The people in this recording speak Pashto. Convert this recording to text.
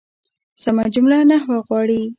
سمه جمله نحوه غواړي.